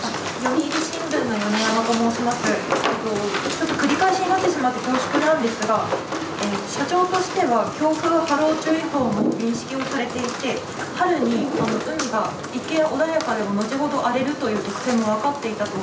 ちょっと繰り返しになってしまって恐縮なんですが、社長としては、強風波浪注意報を認識をされていて、春に一見穏やかでも、突然荒れるという特性も分かっていたと。